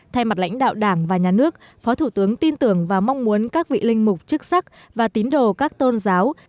thay mặt lãnh đạo đảng và nhà nước phó thủ tướng tin tưởng và mong muốn các vị linh mục chức sắc và tín đồ các tôn giáo